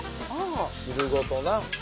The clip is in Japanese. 汁ごとな。